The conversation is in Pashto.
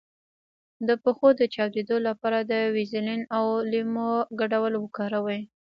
د پښو د چاودیدو لپاره د ویزلین او لیمو ګډول وکاروئ